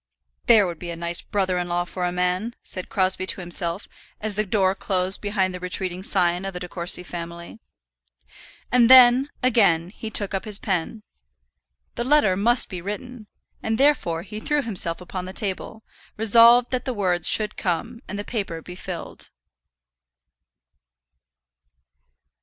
"There would be a nice brother in law for a man," said Crosbie to himself, as the door closed behind the retreating scion of the De Courcy family. And then, again, he took up his pen. The letter must be written, and therefore he threw himself upon the table, resolved that the words should come and the paper be filled.